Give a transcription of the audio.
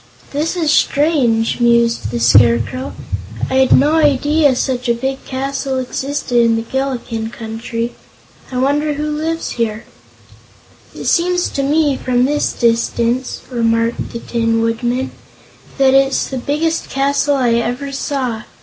"This is strange!" mused the Scarecrow. "I'd no idea such a big castle existed in this Gillikin Country. I wonder who lives here?" "It seems to me, from this distance," remarked the Tin Woodman, "that it's the biggest castle I ever saw.